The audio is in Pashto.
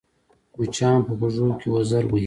مچان په غوږو کې وزر وهي